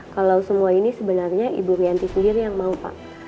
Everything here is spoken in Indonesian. kalau semua ini sebenarnya ibu rianti sendiri yang mau pak